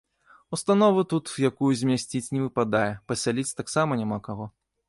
Установу тут якую змясціць не выпадае, пасяліць таксама няма каго.